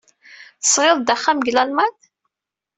Tesɣiḍ-d axxam deg Lalman?